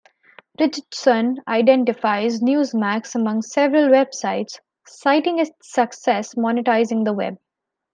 Richardson identified Newsmax, among several websites, citing its success monetizing the web.